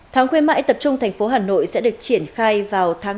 tháng khuyến mại tập trung tp hà nội sẽ được triển khai vào ngày bốn tháng năm